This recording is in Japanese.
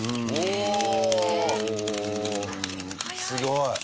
すごい。